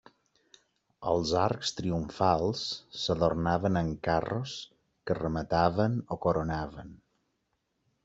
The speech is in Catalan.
Els arcs triomfals s'adornaven amb carros que remataven o coronaven.